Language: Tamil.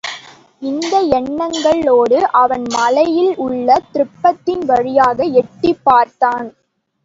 இந்த எண்ணங்களோடு அவன் மலையில் உள்ள திருப்பத்தின் வழியாக எட்டிப் பார்த்தான்.